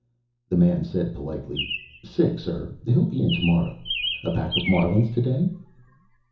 The man said politely, "Sick, sir. He'll be in tomorrow. A pack of Marlins today?"